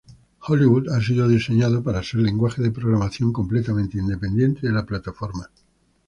Hollywood ha sido diseñado para ser lenguaje de programación completamente independiente de la plataforma.